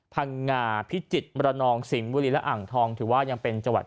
พังงาพิจิตรมรนองสิงห์บุรีและอ่างทองถือว่ายังเป็นจังหวัด